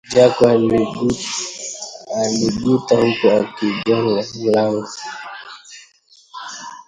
Jaku aliguta huku akiugonga mlango